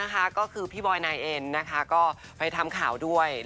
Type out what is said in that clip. จ้าบอกไปแล้วจ้าไปย้อนดูที่ต้นคลิปจ้ะ